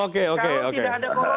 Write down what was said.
kalau tidak ada corona